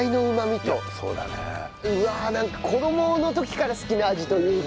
うわなんか子どもの時から好きな味というか。